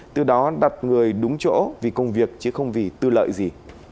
từ đó đặt người đúng chỗ vì công việc chứ không vì tư lợi gì